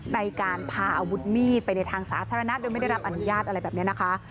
ในการพาอาวุธมีดไปในทางสาธารณะโดยไม่ได้รับอนุญาตอะไรแบบนี้นะคะ